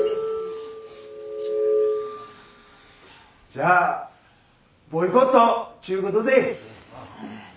じゃあボイコットちゅうことで。